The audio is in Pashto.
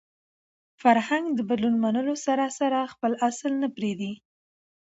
فرهنګ د بدلون منلو سره سره خپل اصل نه پرېږدي.